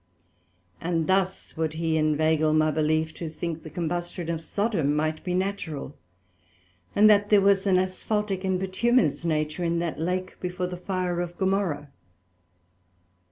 And thus would he inveagle my belief to think the combustion of Sodom might be natural, and that there was an Asphaltick and Bituminous nature in that Lake before the Fire of Gomorrah.